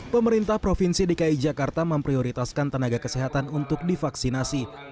pemerintah provinsi dki jakarta memprioritaskan tenaga kesehatan untuk divaksinasi